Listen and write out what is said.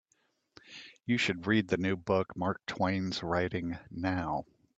You should read the new book Mark Twain's writing now.